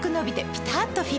ピタっとフィット！